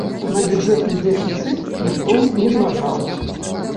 На бюджэтны дэфіцыт ніхто не зважаў.